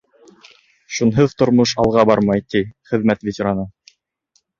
Шунһыҙ тормош алға бармай, — ти хеҙмәт ветераны.